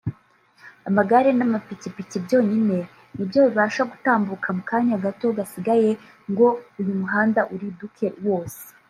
Amagare n’amapikipiki byonyine nibyo bibasha gutambuka mu kanya gato gasigaye ngo uyu muhanda uriduke wose